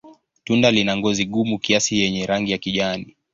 Tunda lina ngozi gumu kiasi yenye rangi ya kijani.